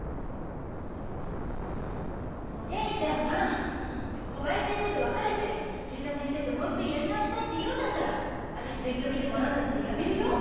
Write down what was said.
お姉ちゃんが小林先生と別れて竜太先生ともういっぺんやり直したいって言うんだったら私勉強見てもらうのだってやめるよ？